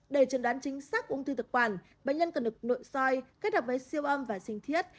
để chuẩn đoán chính xác ung thư thực quản bệnh nhân cần được nội soi kết hợp với siêu âm và sinh thiết